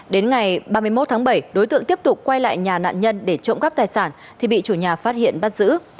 đến ngày ba mươi một tháng bảy đối tượng tiếp tục quay lại nhà nạn nhân để trộm cắp tài sản thì bị chủ nhà phát hiện bắt giữ